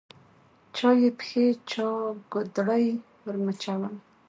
چا یې پښې چا ګودړۍ ورمچوله